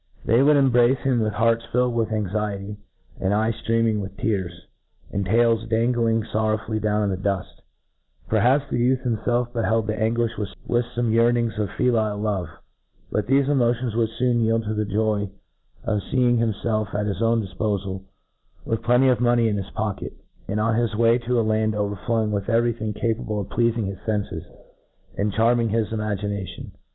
They would embrace hifti with hearts filled with anxiety, and eyes ftream ing with tears, and tails dangling forrowfuUy down to the duft ; perhaps, the youth hinrfelf be held their anguifli with fome yearnings of filial loVc ;— but thefe emotions would foon yield to the joy of feeing hirtifelf at his own iiifpofal, with plenty of money in his pocket, and on his way to a land overflowing with every thing car pable of pleafing his fenfes, and charming his i magination.